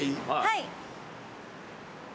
はい。